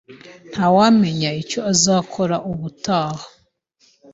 Ntawamenya icyo azakora ubutaha